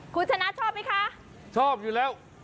คุณชนะชอบไหมคะชอบอยู่แล้ว